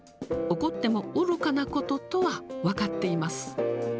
怒っても愚かなこととは分かっています。